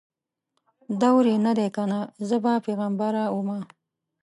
دور یې نه دی کنه زه به پیغمبره ومه